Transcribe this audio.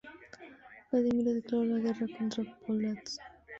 Vladimiro declaró la guerra contra Pólatsk.